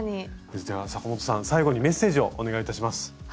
じゃあ阪本さん最後にメッセージをお願いいたします。